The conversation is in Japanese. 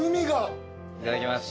いただきます。